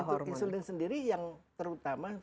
peran insulin itu sendiri yang terutama